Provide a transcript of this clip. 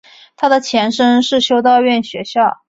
它的前身是修道院学校。